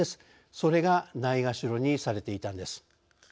それがないがしろにされていたのです。